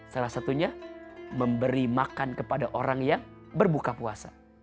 salah satunya memberi makan kepada orang yang berbuka puasa